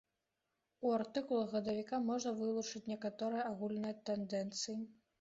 У артыкулах гадавіка можна вылучыць некаторыя агульныя тэндэнцыі.